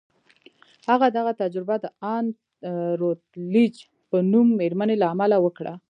هغه دغه تجربه د ان روتلیج په نوم مېرمنې له امله وکړه